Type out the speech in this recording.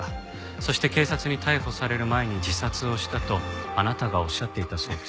そして警察に逮捕される前に自殺をしたとあなたがおっしゃっていたそうです。